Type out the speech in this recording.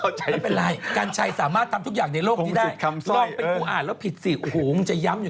มันไม่เป็นไรกัญชัยสามารถทำทุกอย่างในโลกที่ได้